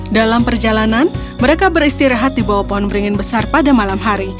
dalam perjalanan mereka beristirahat di bawah pohon beringin besar pada malam hari